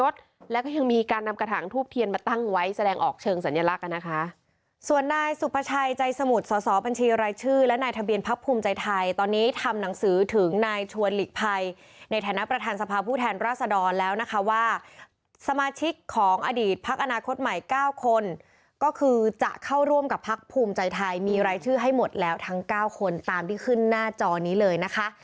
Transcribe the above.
ส่วนนายสุภาชัยใจสมุทรสอสอบัญชีรายชื่อและนายทะเบียนพักภูมิใจไทยตอนนี้ทำหนังสือถึงนายชวนหลีกภัยในฐานะประธานสภาพผู้แทนราษดรแล้วนะคะว่าสมาชิกของอดีตพักอนาคตใหม่๙คนก็คือจะเข้าร่วมกับพักภูมิใจไทยมีรายชื่อให้หมดแล้วทั้ง๙คนตามที่ขึ้นหน้าจอนี้เลยนะคะ